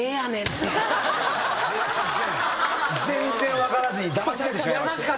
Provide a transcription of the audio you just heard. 全然分からずにだまされてしまいまして。